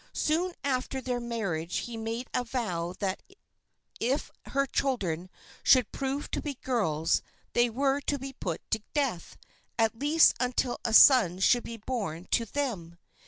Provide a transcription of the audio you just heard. Soon after their marriage he made a vow that if her children should prove to be girls they were to be put to death, at least until a son should be born to them.